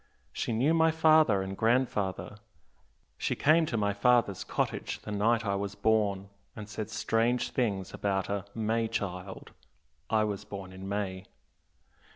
She knew my father and grandfather she came to my father's cottage the night I was born, and said strange things about a 'May child' I was born in May.